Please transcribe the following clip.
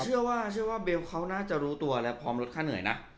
เชื่อว่าเชื่อว่าเบลเขาน่าจะรู้ตัวและพร้อมลดค่าเหนื่อยนะ